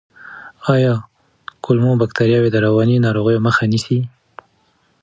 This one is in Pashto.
آیا کولمو بکتریاوې د رواني ناروغیو مخه نیسي؟